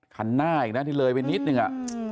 คันหน้าอีกนะที่เลยไปนิดนึง